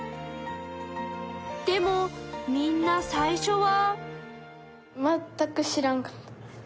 でもみんな最初は。